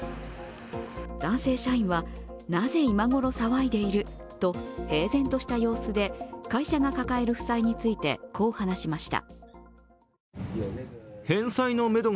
男性社員は、なぜ今頃騒いでいると平然とした様子で会社が抱える負債について、こう話しました。